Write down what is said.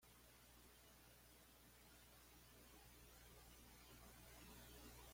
Algo altamente importante en aquellos tiempos de lista cerrada.